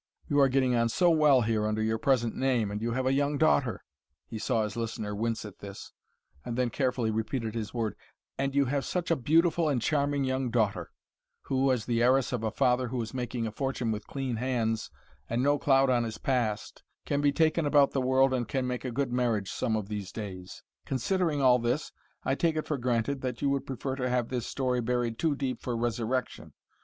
You are getting on so well here under your present name, and you have a young daughter " he saw his listener wince at this, and then carefully repeated his words "and you have such a beautiful and charming young daughter, who, as the heiress of a father who is making a fortune with clean hands and no cloud on his past, can be taken about the world and can make a good marriage some of these days; considering all this, I take it for granted that you would prefer to have this story buried too deep for resurrection.